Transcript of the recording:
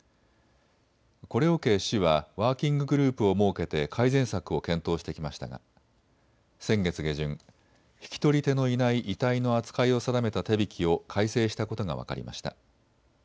これを受け、市はワーキンググループを設けて改善策を検討してきましたが先月下旬、引き取り手のいない遺体の扱いを定めた手引きを改正したことが分かりました。